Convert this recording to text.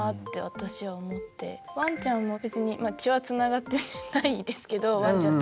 ワンちゃんも別にまあ血はつながってないですけどワンちゃんと。